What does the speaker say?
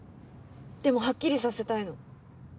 でもはっきりさせたいの。